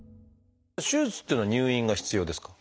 手術っていうのは入院が必要ですか？